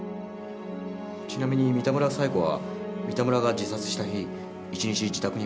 ちなみに三田村冴子は三田村が自殺した日一日自宅にいました。